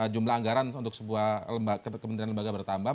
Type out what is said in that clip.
jumlah anggaran untuk sebuah kementerian lembaga bertambah